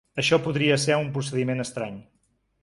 Això podria ser un procediment estrany.